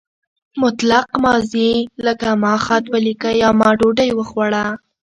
مطلق ماضي لکه ما خط ولیکه یا ما ډوډۍ وخوړه.